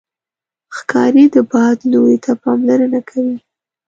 ښکاري د باد لوري ته پاملرنه کوي.